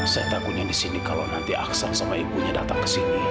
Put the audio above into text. saya takutnya di sini kalau nanti aksan sama ibunya datang ke sini